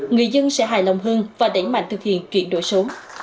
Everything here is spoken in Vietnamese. người dân sẽ hài lòng hơn và đẩy mạnh thực hiện chuyển đổi số